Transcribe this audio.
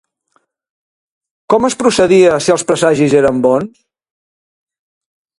Com es procedia si els presagis eren bons?